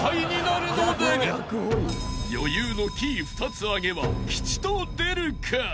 ［余裕のキー２つ上げは吉と出るか？］